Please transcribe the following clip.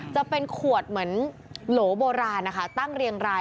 จะเป็นขวดเหมือนโหลโบราณนะคะตั้งเรียงราย